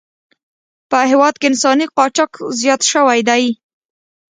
په هېواد کې انساني قاچاق زیات شوی دی.